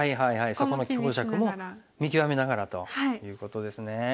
そこの強弱も見極めながらということですね。